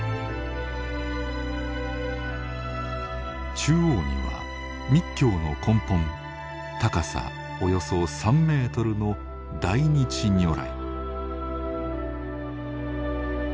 中央には密教の根本高さおよそ３ｍの大日如来。